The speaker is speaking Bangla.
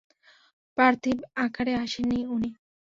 পার্থিব আকারে আসেননি উনি।